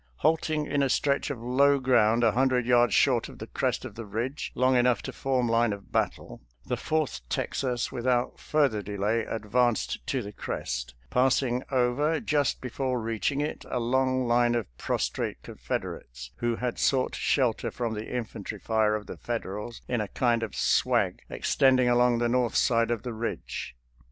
Halting in a stretch of low ground a hundred yards short of the crest of the ridge, long enough to form line of battle, the Fourth Texas without further delay advanced to the crest, passing over, just before reaching it, a long line of pros trate Confederates who had sought shelter from the infantry fire of the Federals in a kind of swag extending along the north side of the ridge.